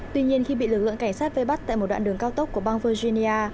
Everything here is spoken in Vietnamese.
tuy nhiên khi bị lực lượng cảnh sát vây bắt tại một đoạn đường cao tốc của bang virginia